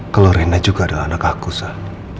kalau reina juga adalah anak aku sah